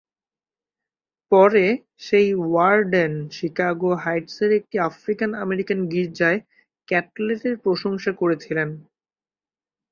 পরে, সেই warden Chicago হাইটসের একটা আফ্রিকান-আমেরিকান গির্জায় ক্যাটলেটের প্রশংসা করেছিলেন।